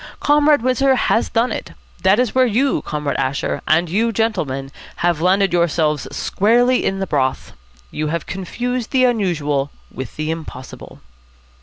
Comrade Windsor has done it. That is where you, Comrade Asher, and you, gentlemen, have landed yourselves squarely in the broth. You have confused the unusual with the impossible."